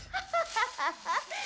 ハハハハハ！